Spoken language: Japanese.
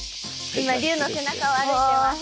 今龍の背中を歩いてます。